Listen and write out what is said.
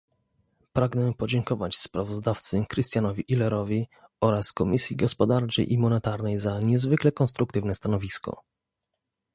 Pragnę podziękować sprawozdawcy Christianowi Ehlerowi oraz Komisji Gospodarczej i Monetarnej za niezwykle konstruktywne stanowisko